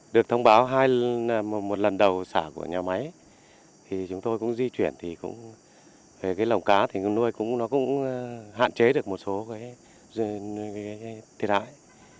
được thông báo một lần đầu xả của nhà máy chúng tôi cũng di chuyển lồng cá nuôi cũng hạn chế được một số thiết ái